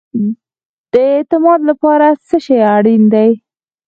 د اعتماد لپاره څه شی اړین دی؟